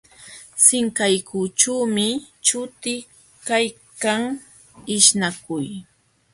Sinqaykićhuumi chuti kaykan ishnakuy